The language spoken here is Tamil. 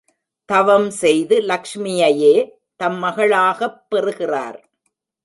தவம் செய்து லக்ஷ்மியையே தம் மகளாகப் பெறுகிறார்.